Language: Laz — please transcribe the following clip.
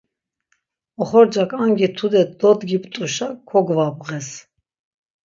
Oxorcak angi tude dodgip̌t̆uşa kogvabğes.